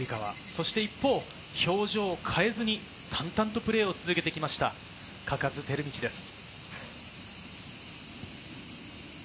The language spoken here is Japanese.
そして一方、表情を変えずに淡々とプレーを続けてきました、嘉数光倫です。